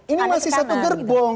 ini masih satu gerbong